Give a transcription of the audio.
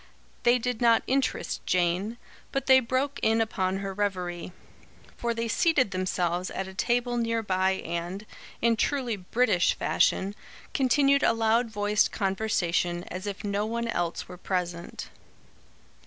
They did not interest Jane, but they broke in upon her reverie; for they seated themselves at a table near by and, in truly British fashion, continued a loud voiced conversation, as if no one else were present.